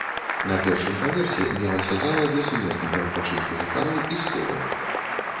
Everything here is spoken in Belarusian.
На першым паверсе мелася зала для сумеснага адпачынку жыхароў і сходаў.